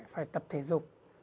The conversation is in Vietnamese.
phải tập thể dục